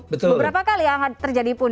beberapa kali yang terjadi pun